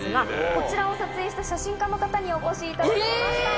こちらを撮影した写真家の方にお越しいただきました。